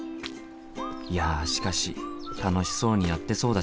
いやしかし楽しそうにやってそうだしな。